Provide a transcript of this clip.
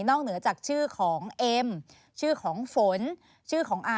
เหนือจากชื่อของเอ็มชื่อของฝนชื่อของอา